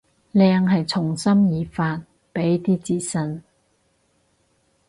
靚係從心而發，畀啲自信